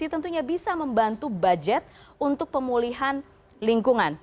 tentunya bisa membantu budget untuk pemulihan lingkungan